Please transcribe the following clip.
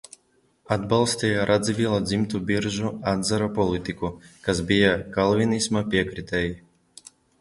Atbalstīja Radzivilu dzimtu Biržu atzara politiku, kas bija kalvinisma piekritēji.